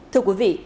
thưa quý vị